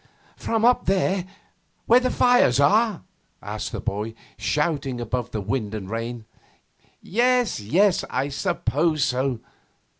'From up there, where the fires are?' asked the boy, shouting above the wind and rain. 'Yes, yes, I suppose so.